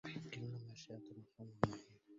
كلما شاءت الرسوم المحيله